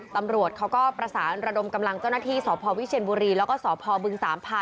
ตำรวจเขาก็ประสานระดมกำลังเจ้าหน้าที่สพวิเชียนบุรีแล้วก็สพบึงสามพา